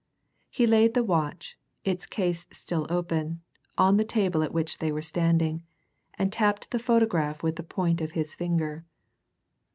He laid the watch, its case still open, on the table at which they were standing, and tapped the photograph with the point of his finger.